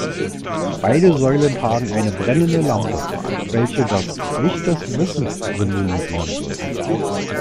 Beide Säulen tragen eine brennende Lampe, welche das "Licht des Wissens" symbolisieren soll.